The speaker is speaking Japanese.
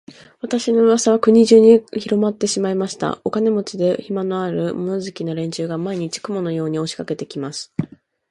私の噂は国中にひろまってしまいました。お金持で、暇のある、物好きな連中が、毎日、雲のように押しかけて来ます。